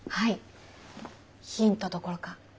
ヒントどころか答えが。